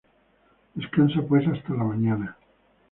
Descansa pues hasta la mañana.